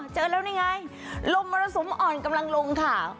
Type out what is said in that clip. เจอแล้วนี่ไงลมมรสุมอ่อนกำลังลงค่ะ